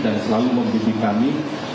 dan selalu membimbing kami